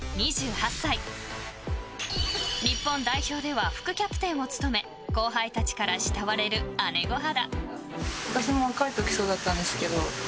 ［日本代表では副キャプテンを務め後輩たちから慕われる姉御肌］